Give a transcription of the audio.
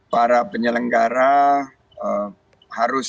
para penyelenggara harus